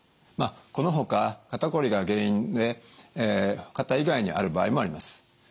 このほか肩こりが原因で肩以外にある場合もあります。